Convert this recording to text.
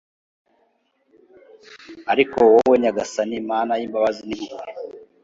Ariko wowe Nyagasani Mana y’imbabazi n’impuhwe